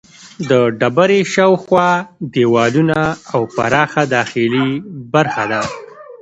د ډبرې شاوخوا دیوالونه او پراخه داخلي برخه ده.